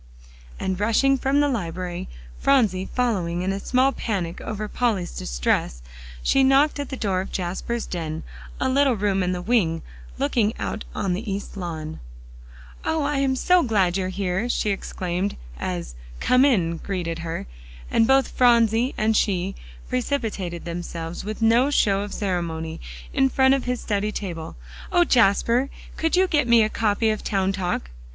And rushing from the library, Phronsie following in a small panic over Polly's distress, she knocked at the door of Jasper's den, a little room in the wing, looking out on the east lawn. "Oh! I am so glad you are here," she exclaimed as "Come in!" greeted her, and both Phronsie and she precipitated themselves with no show of ceremony, in front of his study table. "O Jasper! could you get me a copy of "Town Talk?"